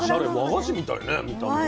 和菓子みたいね見た目は。